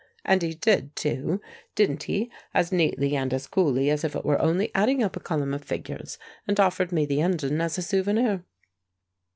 And he did, too, didn't he, as neatly and as coolly as if it were only adding up a column of figures. And offered me the engine as a souvenir."